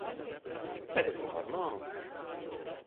Vai tas ir normāli?